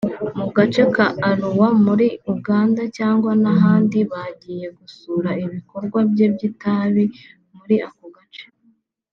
mu gace ka Arua muri Uganda cyangwa n’ahandi bagiye gusura ibikorwa bye by’itabi muri ako gace